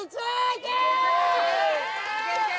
・いけいけ！